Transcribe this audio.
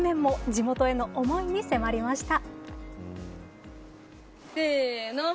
地元への思いに迫りました。